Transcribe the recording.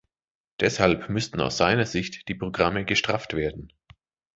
Deshalb müssten aus seiner Sicht die Programme gestrafft werden.